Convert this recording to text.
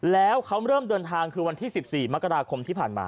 แล้วเขาเริ่มเดินทางคือวันที่๑๔มกราคมที่ผ่านมา